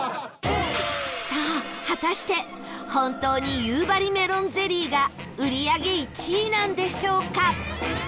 さあ、果たして本当に夕張メロンゼリーが売り上げ１位なんでしょうか？